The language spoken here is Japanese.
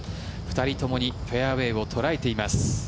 ２人ともにフェアウェーを捉えています。